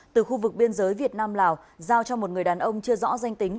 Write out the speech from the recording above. từ khu vực biên giới việt nam lào giao cho một người đàn ông chưa rõ danh tính